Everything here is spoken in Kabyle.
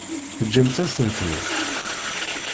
Teǧǧamt-asen-ten-id?